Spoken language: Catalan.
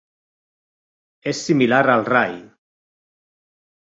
És similar al rai.